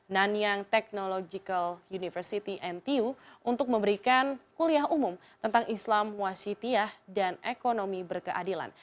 nanyang technological university ntu untuk memberikan kuliah umum tentang islam wasitiyah dan ekonomi berkeadilan